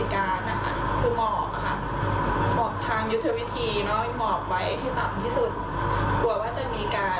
นะคะบริหารต่างที่เข้ามาให้มั่นใจค่ะ